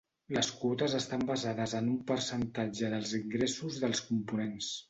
Les quotes estan basades en un percentatge dels ingressos dels components.